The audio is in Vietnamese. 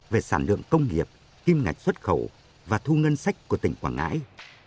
về sản lượng công nghiệp kim ngạch xuất khẩu và thu ngân sách của tỉnh quảng ngãi